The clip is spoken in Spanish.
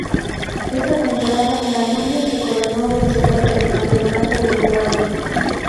Esa temporada, Danubio se coronó vencedor del Campeonato Uruguayo.